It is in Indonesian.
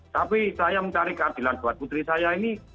tapi saya mencari keadilan buat putri saya ini